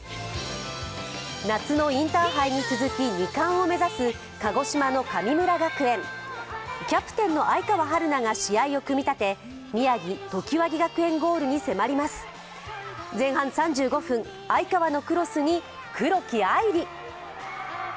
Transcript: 夏のインターハイに続き、２冠を目指す鹿児島の神村学園、キャプテンの愛川陽菜が試合を組み立て、宮城・常盤木学園ゴールに迫ります前半３５分、愛川のクロスに黒木愛理。